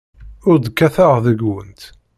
Ur d-kkateɣ deg-went.